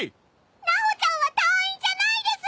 なほちゃんは隊員じゃないです！